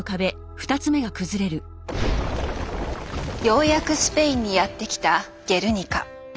ようやくスペインにやって来た「ゲルニカ」。